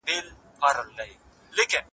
ما او تاته هيڅوک لانجه نسي جوړولای.